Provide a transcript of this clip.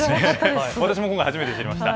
私も今回、初めて知りました。